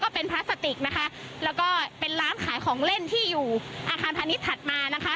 เป็นพลาสติกนะคะแล้วก็เป็นร้านขายของเล่นที่อยู่อาคารพาณิชยถัดมานะคะ